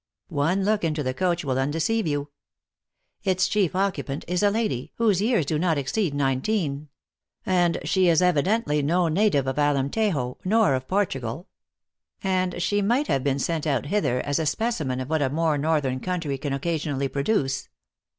One look into the coach will undeceive you. Its chief occupant is a lady, whose years do not exceed nine teen ; and she is evidently no native of Alemtejo, nor of Portugal ; and might have been sent out hither as a specimen of what a more northern country can occa sionally produce.